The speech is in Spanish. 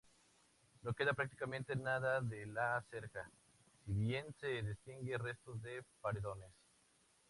No queda prácticamente nada de la cerca, si bien se distinguen restos de paredones.